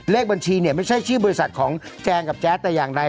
เลขบัญชีเนี่ยไม่ใช่ชื่อบริษัทของแจงกับแจ๊ดแต่อย่างใด